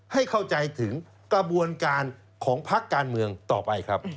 ให้เข้าใจถึงกระบวนการของพักการเมืองต่อไปครับ